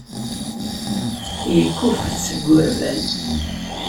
Yekkuffet seg wurfan.